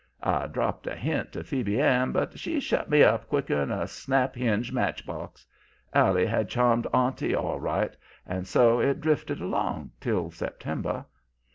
I dropped a hint to Phoebe Ann, but she shut me up quicker'n a snap hinge match box. Allie had charmed 'auntie' all right. And so it drifted along till September.